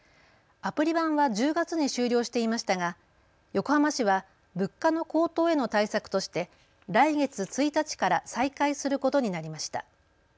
アプリ版は１０月に終了していましたが横浜市は物価の高騰への対策として来月１日から再開することになりました。